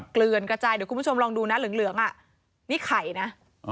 เกลือนกระจายเดี๋ยวคุณผู้ชมลองดูนะเหลืองอ่ะนี่ไข่นะ